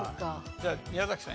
じゃあ宮崎さん。